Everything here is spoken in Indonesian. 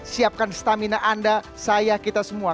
siapkan stamina anda saya kita semua